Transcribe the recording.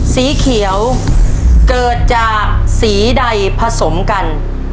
สีเขียวเกิดจากสีใดผสมกัน